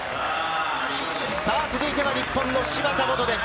続いては日本の芝田モトです。